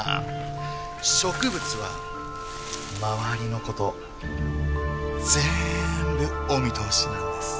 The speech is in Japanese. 植物は周りのことぜんぶお見通しなんです。